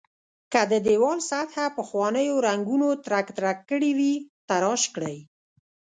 که د دېوال سطحه پخوانیو رنګونو ترک ترک کړې وي تراش کړئ.